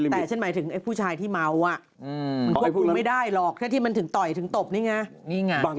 แต่ฉันหมายถึงไอ้ผู้ชายที่เมามันควบคุมไม่ได้หรอกแค่ที่มันถึงต่อยถึงตบนี่ไง